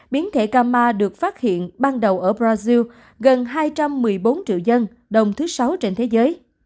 biến thể cà ma được phát hiện ban đầu ở brazil gần hai trăm một mươi bốn triệu dân đông thứ sáu trên thế giới